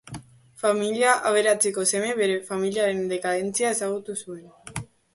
Familia aberatseko seme, bere familiaren dekadentzia ezagutu zuen.